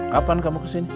kapan kamu kesini